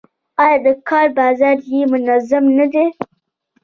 آیا د کار بازار یې منظم نه دی؟